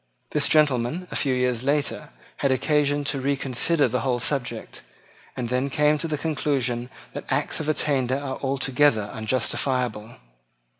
This gentleman, a few years later, had occasion to reconsider the whole subject, and then came to the conclusion that acts of attainder are altogether unjustifiable.